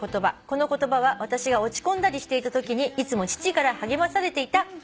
「この言葉は私が落ち込んだりしていたときにいつも父から励まされていたときの言葉でした」